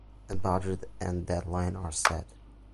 A budget and deadline are set.